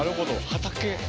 畑。